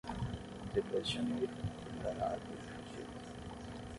Depois de janeiro, podar a árvore frutífera.